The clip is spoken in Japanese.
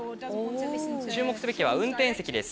注目すべきは運転席です！